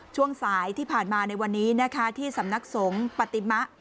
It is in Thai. ช่วงสายที่ผ่านมาในวันนี้นะคะที่สำนักสงฆ์ปฏิมะ